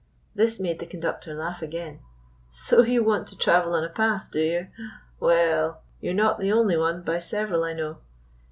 This made the conductor laugh again. "So you want to travel on a pass, do you? Well, you he not the only one, by several I know.